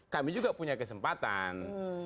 kami juga punya kesempatan